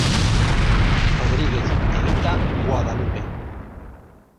Rodríguez de Ita, Guadalupe.